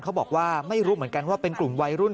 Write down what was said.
เขาบอกว่าไม่รู้เหมือนกันว่าเป็นกลุ่มวัยรุ่น